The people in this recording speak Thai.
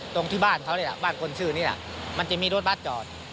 ตรงที่บ้านเขาเนี่ยบ้านคนชื่อนี่น่ะมันจะมีรถบัดจอด